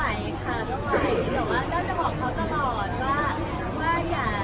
อ่ะหากจะว่าหลุย